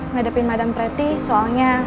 menadapin madam pretty soalnya